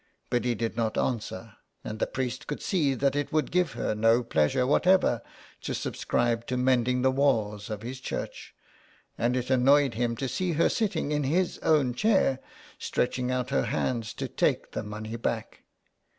Biddy did not answer, and the priest could see that it would give her no pleasure whatever to sub scribe to mending the walls of his church, and it annoyed him to see her sitting in his own chair stretching out her hands to take the money back.